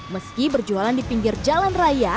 meski berjualan di pinggir jalan raya